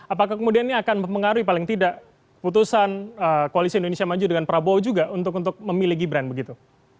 apakah kemudian ini akan mempengaruhi paling tidak putusan koalisi indonesia maju dengan prabowo juga untuk memilih gibran begitu